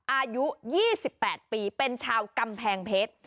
อายุ๒๘ปีเป็นชาวกำแพงเพชร